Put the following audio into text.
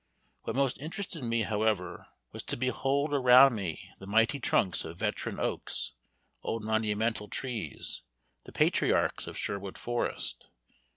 What most interested me, however, was to behold around me the mighty trunks of veteran oaks, old monumental trees, the patriarchs of Sherwood Forest.